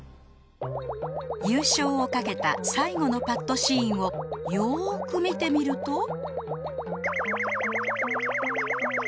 優勝をかけた最後のパットシーンをよく見てみると。